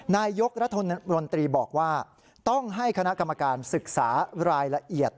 นายกรัฐมนตรีบอกว่าต้องให้คณะกรรมการศึกษารายละเอียด